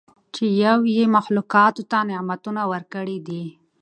چې یو ئي مخلوقاتو ته نعمتونه ورکړي دي